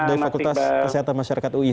dari fakultas kesehatan masyarakat ui